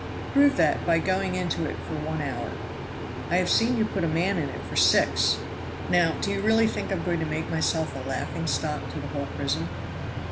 "Prove that by going into it for one hour. I have seen you put a man in it for six." "Now, do you really think I am going to make myself a laughing stock to the whole prison?"